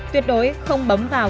tuyệt đối không bấm vào